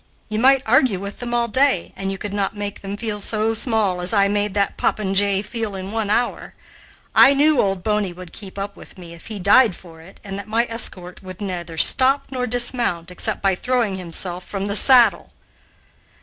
You might argue with them all day, and you could not make them feel so small as I made that popinjay feel in one hour. I knew 'Old Boney' would keep up with me, if he died for it, and that my escort could neither stop nor dismount, except by throwing himself from the saddle."